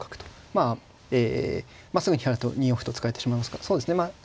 まあすぐにやると２四歩と突かれてしまうんですがそうですね